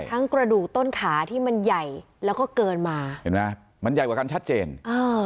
กระดูกต้นขาที่มันใหญ่แล้วก็เกินมาเห็นไหมมันใหญ่กว่ากันชัดเจนอ่า